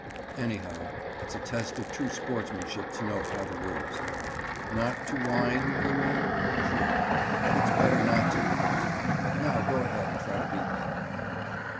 Anyhow, it's a test of true sportsmanship to know how to lose." "Not to whine, you mean? True. But it's better not to lose. Now go ahead and try to beat me."